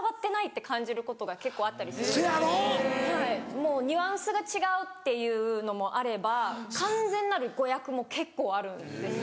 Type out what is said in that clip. もうニュアンスが違うっていうのもあれば完全なる誤訳も結構あるんですね